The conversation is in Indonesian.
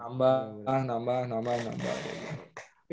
nambah nambah nambah nambah